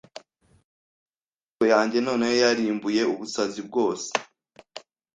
Iyaba imvugo yanjye noneho yarimbuye ubusazi bwose